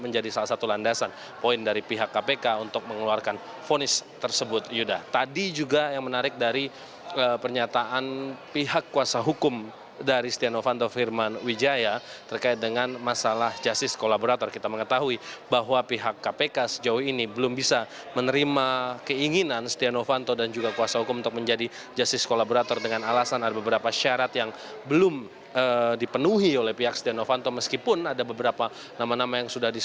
jadi ini adalah hal yang sangat penting